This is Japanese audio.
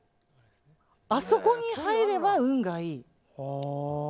あそこに入れば運がいい。